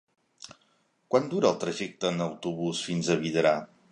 Quant dura el trajecte en autobús fins a Vidrà?